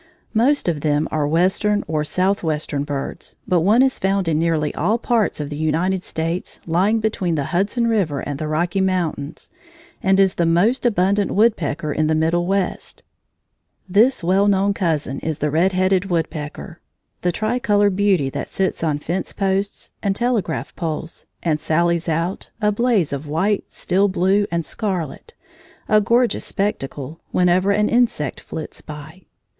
Most of them are Western or Southwestern birds, but one is found in nearly all parts of the United States lying between the Hudson River and the Rocky Mountains, and is the most abundant woodpecker of the middle West. This well known cousin is the red headed woodpecker, the tricolored beauty that sits on fence posts and telegraph poles, and sallies out, a blaze of white, steel blue, and scarlet, a gorgeous spectacle, whenever an insect flits by.